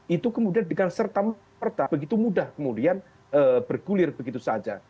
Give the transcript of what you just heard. itu kemudian dengan serta merta begitu mudah kemudian bergulir begitu saja